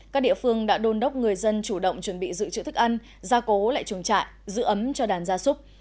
các địa phương đã đôn đốc người dân chủ động chuẩn bị dự trữ thức ăn gia cố lại chuồng trại giữ ấm cho đàn gia súc